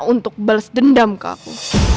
untuk balas dendam ke aku